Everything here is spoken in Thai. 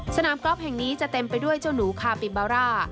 สนามกอล์ฟแห่งนี้จะเต็มไปด้วยเจ้าหนูคาปิบาร่า